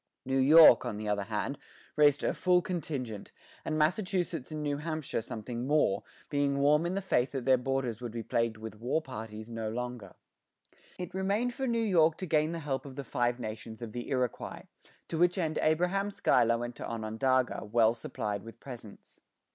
New York, on the other hand, raised her full contingent, and Massachusetts and New Hampshire something more, being warm in the faith that their borders would be plagued with war parties no longer. It remained for New York to gain the help of the Five Nations of the Iroquois, to which end Abraham Schuyler went to Onondaga, well supplied with presents.